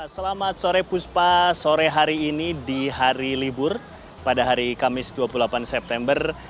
selamat sore puspa sore hari ini di hari libur pada hari kamis dua puluh delapan september